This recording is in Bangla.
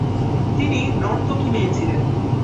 তিনি নর্তকী মেয়ে ছিলেন।